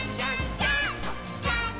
ジャンプ！！」